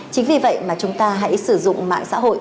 chính vì vậy mà chúng ta hãy sử dụng mạng xã hội